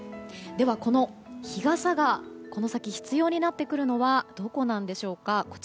では、日傘がこの先必要になってくるのはどこなのでしょうか。